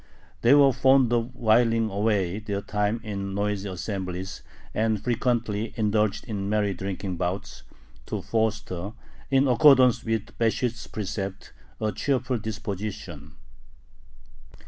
They were fond of whiling away their time in noisy assemblies, and frequently indulged in merry drinking bouts, to foster, in accordance with Besht's precept, "a cheerful disposition."